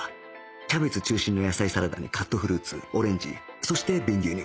キャベツ中心の野菜サラダにカットフルーツオレンジそして瓶牛乳